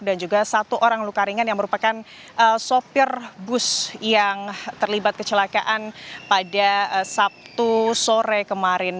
dan juga satu orang luka ringan yang merupakan sopir bus yang terlibat kecelakaan pada sabtu sore kemarin